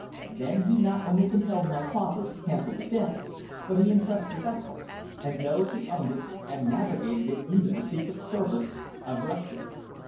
Then he not only compelled my father to cancel the debt, but he impressed the vessel and those who owned and navigated it into the secret service of Russia.